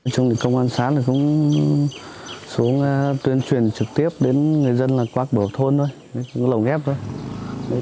trong công an sáng thì cũng xuống tuyên truyền trực tiếp đến người dân là quạc bầu thôn thôi lầu ghép thôi